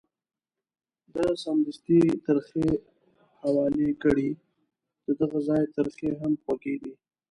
ده سمدستي ترخې حواله کړې، ددغه ځای ترخې هم خوږې دي.